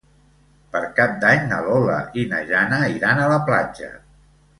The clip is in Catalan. Per Cap d'Any na Lola i na Jana iran a la platja.